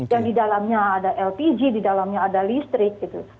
yang di dalamnya ada lpg di dalamnya ada listrik gitu